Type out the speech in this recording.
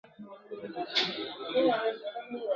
تل به غلام وي د ګاونډیانو !.